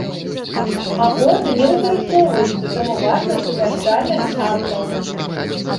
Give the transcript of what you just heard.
Акорды не выкарыстоўваюцца, таму важна сумяшчальнасць актаў.